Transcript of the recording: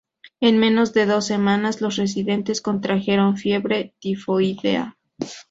En menos de dos semanas, los residentes contrajeron fiebre tifoidea.